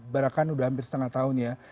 barangkali sudah hampir setengah tahun ya